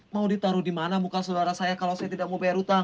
mau ditaruh di mana bukan saudara saya kalau saya tidak mau bayar utang